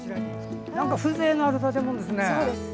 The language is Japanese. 風情のある建物ですね。